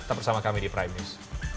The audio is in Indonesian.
tetap bersama kami di prime news